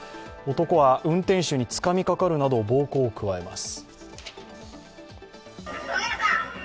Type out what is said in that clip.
男は運転手につかみかかるなど暴行を加えます。